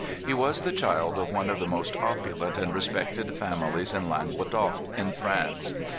He was the child of one of the most opulent and respected families in Languedoc, in France.